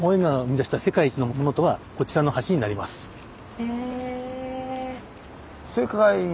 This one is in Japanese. へえ。